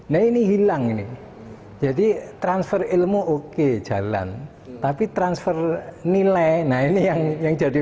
nah ini hilang ini jadi transfer ilmu oke jalan tapi transfer nilai nah ini yang yang jadi